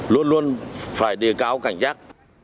luôn luôn phải đề cao cảnh giác